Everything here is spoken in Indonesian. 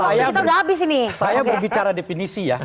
ini waktu kita sudah habis ini saya berbicara definisi